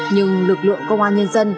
nhưng lực lượng công an nhân dân